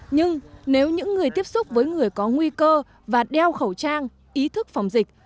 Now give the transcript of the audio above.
nhưng nếu những người tiếp xúc với người có nguy cơ và đeo khẩu trang ý thức phòng dịch